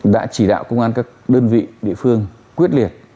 đã chỉ đạo công an các đơn vị địa phương quyết liệt